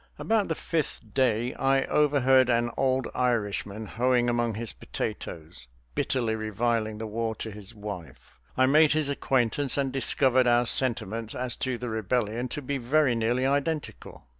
About the fifth day I overheard an old Irishman, hoeing among his potatoes, bitterly reviling the war to his wife. I made his acquaintance and discovered our sentiments as to the rebellion to be very nearly identical.